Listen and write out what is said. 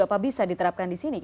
apa bisa diterapkan di sini